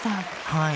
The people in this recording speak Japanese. はい。